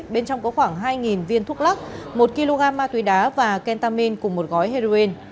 bên trong có khoảng hai viên thuốc lắc một kg ma túy đá và kentamin cùng một gói heroin